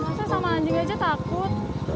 maksudnya sama anjing aja takut